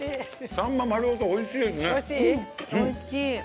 さんま丸ごとおいしい！